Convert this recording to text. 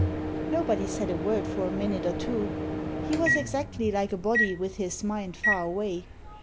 Nobody said a word for a minute or two. He was exactly like a body with his mind far away.